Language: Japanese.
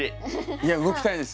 いや動きたいです。